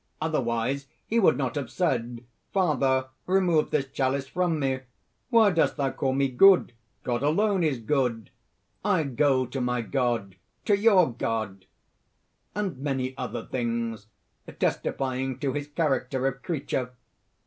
Otherwise he would not have said: 'Father, remove this chalice from me! Why dost thou call me good? God alone is good! I go to my God, to your God!' and many other things testifying to his character of creature.